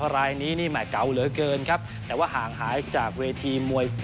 รายนี้นี่แห่เก่าเหลือเกินครับแต่ว่าห่างหายจากเวทีมวย